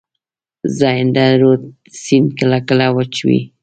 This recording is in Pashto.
زاینده رود سیند کله کله وچ وي.